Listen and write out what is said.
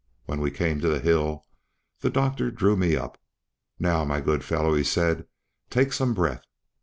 When we came to the hill, the doctor drew me up. "Now, my good fellow," he said, "take some breath."